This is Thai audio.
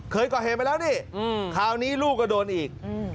เคยก่อเหย์ไหมแล้วดิอืมคราวนี้ลูกก็โดนอีกอืม